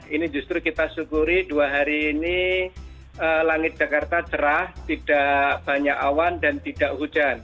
ini justru kita syukuri dua hari ini langit jakarta cerah tidak banyak awan dan tidak hujan